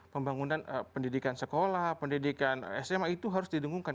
pembangunan pendidikan sekolah pendidikan sma itu harus didengungkan